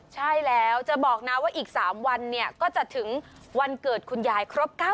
ใช่แล้วจะบอกนะว่าอีก๓วันเนี่ยก็จะถึงวันเกิดคุณยายครบ๙๐